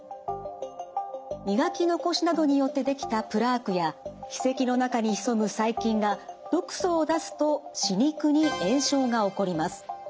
磨き残しなどによって出来たプラークや歯石の中に潜む細菌が毒素を出すと歯肉に炎症が起こります。